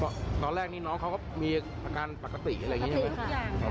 เพราะตอนแรกนี่น้องเขาก็มีอาการปกติอะไรอย่างนี้ใช่ไหม